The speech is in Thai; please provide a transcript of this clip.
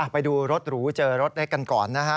ไปดูรถหรูเจอรถได้กันก่อนน่ะ